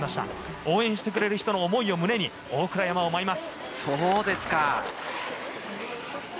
応援してくれる人の思いを胸に今日は大倉山で舞います。